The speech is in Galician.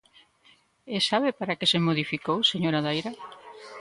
¿E sabe para que se modificou, señora Daira?